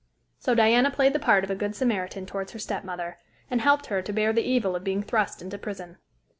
So Diana played the part of a Good Samaritan towards her stepmother, and helped her to bear the evil of being thrust into prison.